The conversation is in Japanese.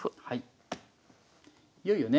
はい。